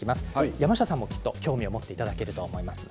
山下さんも、きっと興味を持っていただけると思います。